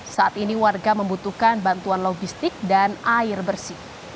saat ini warga membutuhkan bantuan logistik dan air bersih